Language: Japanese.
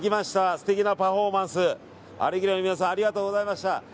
素敵なパフォーマンスを「アレグリア」の皆さんありがとうございました！